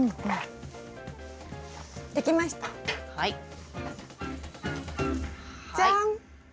はい。